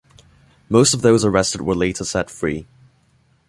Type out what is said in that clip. Most of those arrested were later set free.